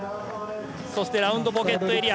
そしてラウンドポケットエリア。